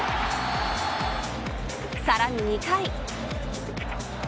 さらに２回。